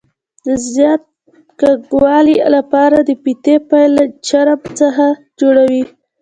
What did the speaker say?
د زیات کلکوالي له پاره د فیتې پیل له چرم څخه جوړوي.